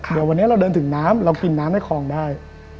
เดี๋ยววันนี้เราเดินถึงน้ำเรากินน้ำในคลองได้